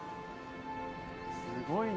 すごいな。